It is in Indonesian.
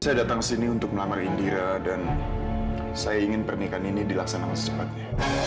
saya datang ke sini untuk melamar indira dan saya ingin pernikahan ini dilaksanakan secepatnya